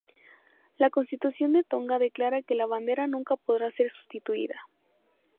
La Constitución de Tonga declara que la bandera nunca podrá ser sustituida.